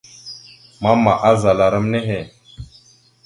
Mama azala ram nehe.